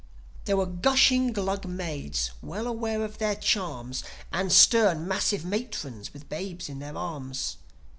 There were gushing Glug maids, well aware of their charms, And stern, massive matrons with babes in their arms.